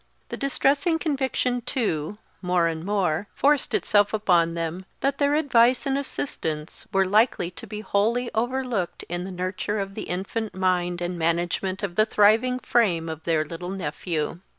The distressing conviction, too, more and more forced itself upon them, that their advice and assistance were likely to be wholly overlooked in the nurture of the infant mind and management of the thriving frame of their little nephew.